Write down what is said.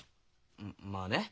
まあね。